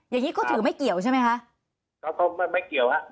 อย่างนี้ก็ถือไม่เกี่ยวใช่ไหมคะ